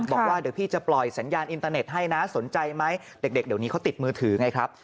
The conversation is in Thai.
บอกว่าเดี๋ยวพี่จะปล่อยสัญญาณอินเตอร์เน็ตให้นะสนใจไหมเด็กเดี๋ยวนี้เขาติดมือถือไงครับ